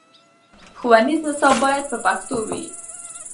ښوونیز نصاب باید په پښتو وي.